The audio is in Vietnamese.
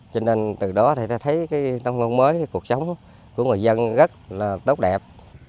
cho nên từ đó thấy thông thông mới cuộc sống của người dân rất là tốt đẹp